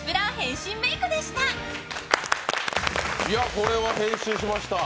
これは変身しました。